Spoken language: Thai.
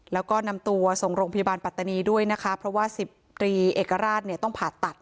แล้วก็นำตัวส่งโรงพยาบาลปัตตานีด้วยนะคะเพราะว่า๑๐ตรีเอกราชเนี่ยต้องผ่าตัด